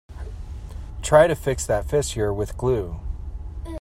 Try to fix that fissure with glue.